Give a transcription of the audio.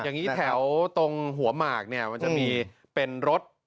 อย่างนี้แถวตรงหัวหมากเนี่ยมันจะมีเป็นรถ